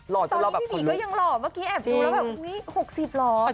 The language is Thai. ตอนนี้พี่บีก็ยังหล่อเมื่อกี้แอบดูแล้วแบบ